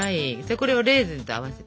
これをレーズンと合わせて。